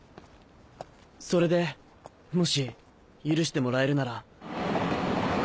それでもし許してもらえるなら。